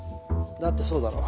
だってそうだろ。